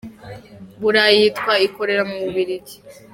Burayi yitwa ikorera mu Bubiligi.